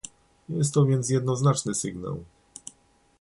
Jest to więc jednoznaczny sygnał